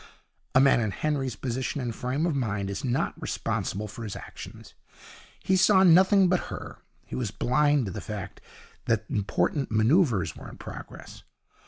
A man in Henry's position and frame of mind is not responsible for his actions. He saw nothing but her; he was blind to the fact that important manoeuvres were in progress.